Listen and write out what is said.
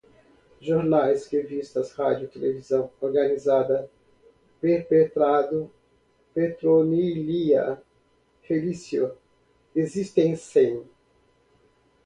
jornais, revistas, rádios, televisão, organizada, perpetrado, Petronília, Felício, desistissem